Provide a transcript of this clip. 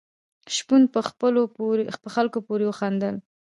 شپون په خلکو پورې وخندل.